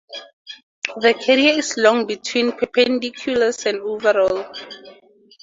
The carrier is long between perpendiculars, and overall.